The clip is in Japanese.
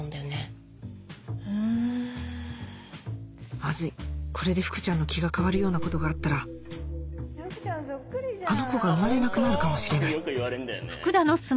まずいこれで福ちゃんの気が変わるようなことがあったらあの子が生まれなくなるかもしれないいや。